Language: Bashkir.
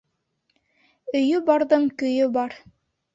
Өйө барҙың көйө бар.